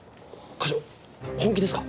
課長本気ですか？